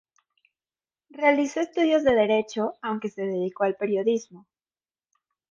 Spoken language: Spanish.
Realizó estudios de derecho, aunque se dedicó al periodismo.